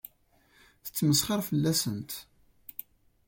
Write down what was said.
Tettmesxiṛ fell-asent.